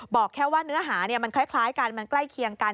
บอกแค่ว่าเนื้อหามันคล้ายกันมันใกล้เคียงกัน